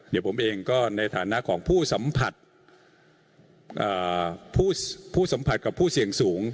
เดี๋ยวผมเองก็ในฐานะของผู้สัมผัสผู้สัมผัสกับผู้เสี่ยงสูง